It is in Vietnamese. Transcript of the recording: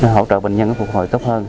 hỗ trợ bệnh nhân nó phục hồi tốt hơn